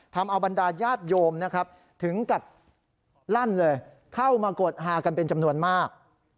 ทำเอาบรรดาญาติโยมนะครับถึงกับลั่นเลยเข้ามากดฮากันเป็นจำนวนมาก